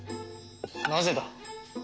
なぜだ？